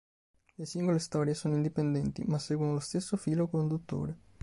Le singole storie sono indipendenti, ma seguono lo stesso filo conduttore.